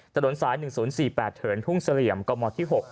ถนนสาย๑๐๔๘เถินทุ่งเสลี่ยมกมที่๖